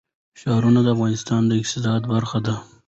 ښارونه د افغانستان د اقتصاد برخه ده.